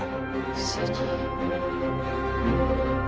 不思議。